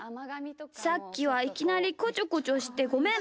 さっきは、いきなりこちょこちょしてごめん。